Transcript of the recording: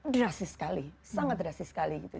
drastis sekali sangat drastis sekali gitu